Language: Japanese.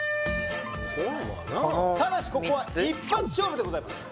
こういうのはなただしここは一発勝負でございます